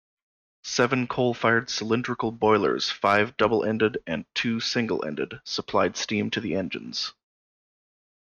Seven coal-fired cylindrical boilers, five double-ended and two single-ended, supplied steam to the engines.